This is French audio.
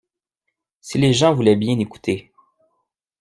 Si les gens voulaient bien écouter.